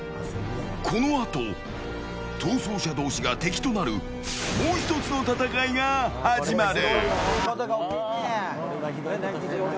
このあと、逃走者同士が敵となるもう１つの戦いが始まる。